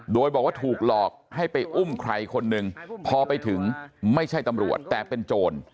โดยบอกว่าถูกหลอกให้ไปอุ้มใครคนหนึ่งพอไปถึงไม่ใช่ตำรวจแต่เป็นโจร